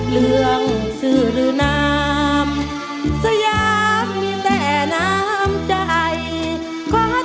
เรืองสุรุนามสยามมีแค่น้ำใจขอเตือนท่านผู้อาศัยอย่าทำอะไรให้ไทยล้าอาวราญ